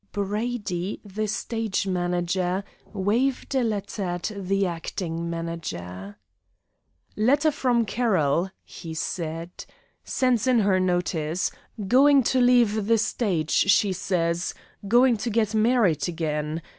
Brady, the stage manager, waved a letter at the acting manager. "Letter from Carroll," he said. "Sends in her notice. Going to leave the stage, she says; going to get married again.